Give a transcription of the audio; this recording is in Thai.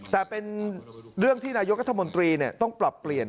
แต่เป็นเรื่องที่นายกรัฐมนตรีต้องปรับเปลี่ยน